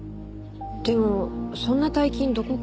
でもそんな大金どこから？